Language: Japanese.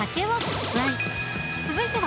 はい。